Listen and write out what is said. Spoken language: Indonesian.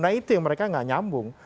nah itu yang mereka nggak nyambung